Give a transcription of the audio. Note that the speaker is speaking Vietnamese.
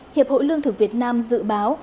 hiệp hội lương thực việt nam dự báo